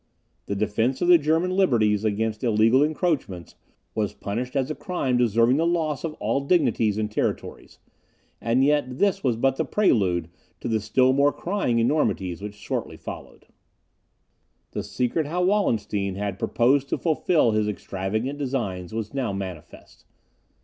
The defence of the German liberties against illegal encroachments, was punished as a crime deserving the loss of all dignities and territories; and yet this was but the prelude to the still more crying enormities which shortly followed. The secret how Wallenstein had purposed to fulfil his extravagant designs was now manifest.